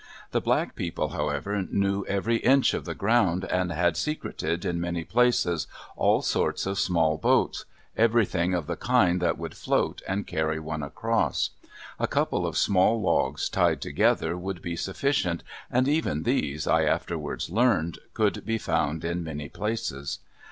The black people, however, knew every inch of the ground, and had secreted in many places all sorts of small boats everything of the kind that would float and carry one across. A couple of small logs tied together would be sufficient, and even these, I afterwards learned, could be found in many places.